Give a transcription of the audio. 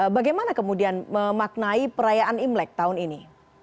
bagaimana kemudian memaknai perayaan imlek tahun ini